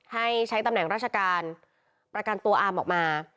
ให้ใช้ตำแหน่งราชการประกันตัวอาร์มออกมา